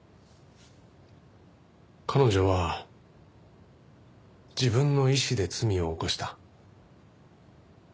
彼女は自分の意思で罪を犯した。